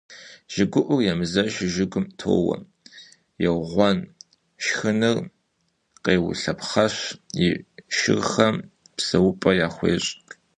ЖыгыуIур емызэшу жыгым тоуIуэ, еугъуэн, шхыныр къеулъэпхъэщ, и шырхэм псэупIэ яхуещI.